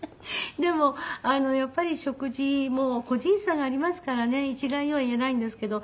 でもやっぱり食事も個人差がありますからね一概には言えないんですけど。